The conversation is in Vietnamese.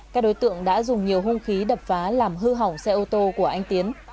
các đối tượng đã dùng nhiều hung khí đập phá làm hư hỏng xe ô tô của anh tiến